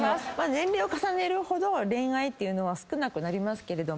年齢を重ねるほど恋愛というのは少なくなりますけれども。